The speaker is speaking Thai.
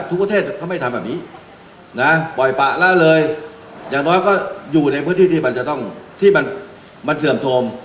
ทุกประเทศเขาไม่ทำแบบนี้ปล่อยป่าแล้วเลยอย่างน้อยก็อยู่ในพื้นที่มันเสื่อมโทม